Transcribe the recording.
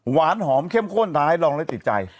หวานหอมเข้มข้นร้ายลองแล้วติดใจ